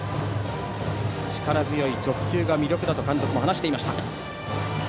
力強い直球が魅力だと監督も話していました。